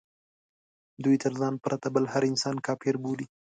دوی تر ځان پرته بل هر انسان کافر بولي.